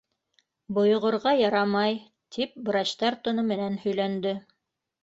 Бойоғорға ярамай, — тип врачтар тоны менән һөйләнде.